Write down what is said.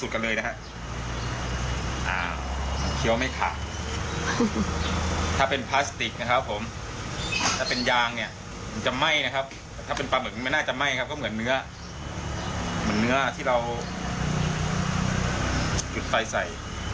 ก็เหมือนเนื้อเหมือนเนื้อที่เราปลื้นไฟใส่